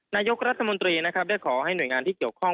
นายกรัฐมนตรีนะครับได้ขอให้หน่วยงานที่เกี่ยวข้อง